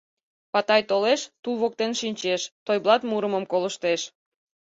Патай толеш, тул воктен шинчеш, Тойблат мурымым колыштеш.